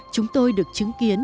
chúng tôi được chứng kiến